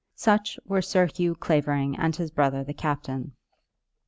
Such were Sir Hugh Clavering and his brother the captain.